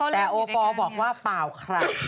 แต่โอปอลบอกว่าเปล่าครับ